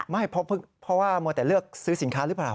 ไม่เพราะว่ามัวแต่เลือกซื้อสินค้าหรือเปล่า